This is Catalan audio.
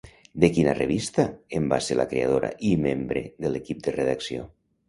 De quina revista en va ser la creadora i membre de l'equip de redacció?